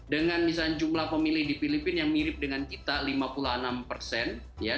dengan misalnya jumlah pemilih di filipina yang mirip dengan kita lima puluh enam ya